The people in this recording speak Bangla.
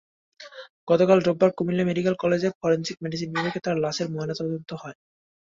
গতকাল রোববার কুমিল্লা মেডিকেল কলেজের ফরেনসিক মেডিসিন বিভাগে তার লাশের ময়নাতদন্ত হয়।